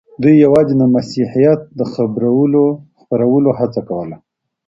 دوی یوازې د مسیحیت د خپرولو هڅه کوله.